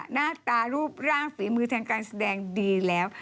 หน้าตารูปร่างฝีมือทางการแสดงดีแล้ว